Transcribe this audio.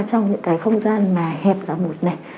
trong những cái không gian mà hẹp cả một này